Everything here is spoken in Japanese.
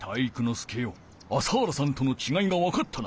介よ朝原さんとのちがいがわかったな。